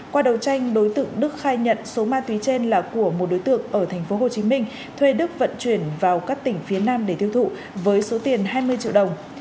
qua đầu tranh đối tượng đức khai nhận số ma túy trên là của một đối tượng ở thành phố hồ chí minh thuê đức vận chuyển vào các tỉnh phía nam để thiêu thụ với số tiền hai mươi triệu đồng